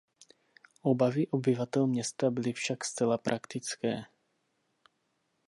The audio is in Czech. Obavy obyvatel města byly však zcela praktické.